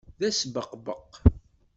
D asbeqbeq.